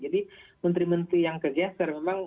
jadi menteri menteri yang kegeser memang